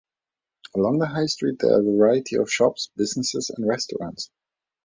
Along the High Street there are a variety of shops, businesses, and restaurants.